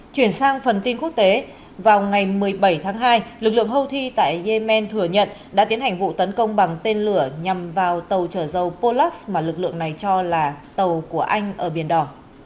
chuyển sang phần tin quốc tế vào ngày một mươi bảy tháng hai lực lượng houthi tại yemen thừa nhận đã tiến hành vụ tấn công bằng tên lửa nhằm vào tàu trở dâu polux mà lực lượng này cho là tàu của anh ở biển đỏ